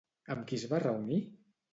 Amb qui es va reunir?